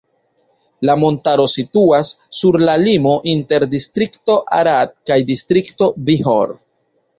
La montaro situas sur la limo inter distrikto Arad kaj distrikto Bihor.